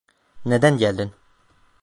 Neden geldin?